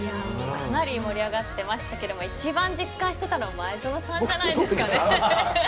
かなり盛り上がってましたけど一番実感してたのは前園さんじゃないですかね。